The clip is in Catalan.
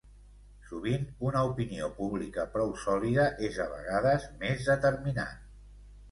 Sovint una opinió pública prou sòlida és a vegades més determinant.